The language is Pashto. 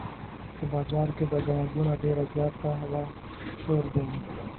په بازار کې به ګڼه ګوڼه ډېره زیاته وه شور به و.